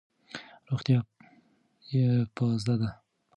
روغتیا پازه ده.